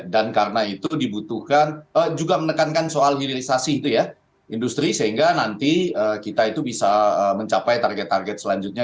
dan karena itu dibutuhkan juga menekankan soal hirisasi itu ya industri sehingga nanti kita itu bisa mencapai target target selanjutnya